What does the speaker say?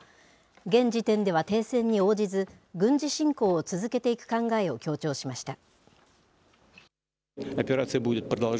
現時点では停戦に応じず、軍事侵攻を続けていく考えを強調しました。